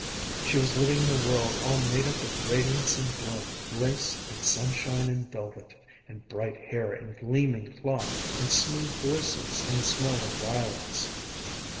She was living in a world all made up of radiance and bloom, lace and sunshine and velvet, and bright hair and gleaming cloth and smooth voices and the smell of violets.